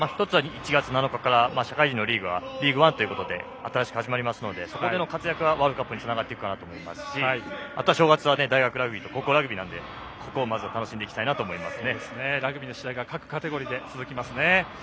１つは、１月７日から社会人のリーグがリーグワンということで新しく始まりますのでそこでの活躍がワールドカップにつながっていくかと思いますしあとは、正月は大学ラグビーと高校ラグビーなのでここをまずはラグビーの試合が各カテゴリーで続きますね。